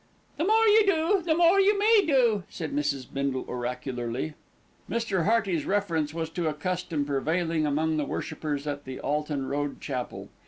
"The more you do, the more you may do," said Mrs. Bindle oracularly. Mr. Hearty's reference was to a custom prevailing among the worshippers at the Alton Road Chapel.